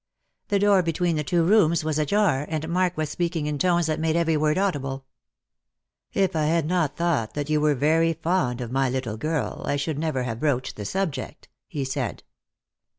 The door between the two rooms was ajar, and Mark was speaking in tones that made every word audible. " If I had not thought that you were fond of my little girl, I should never have broached the subject," he said.